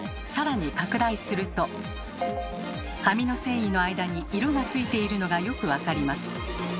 更に拡大すると紙の繊維の間に色がついているのがよく分かります。